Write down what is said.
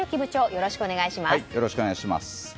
よろしくお願いします。